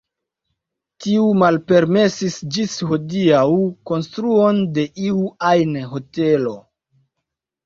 Tiu malpermesis ĝis hodiaŭ konstruon de iu ajn hotelo.